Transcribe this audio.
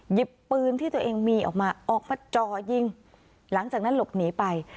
หยิบปืนที่ตัวเองมีออกมาออกมาจ่อยิงหลังจากนั้นหลบหนีไป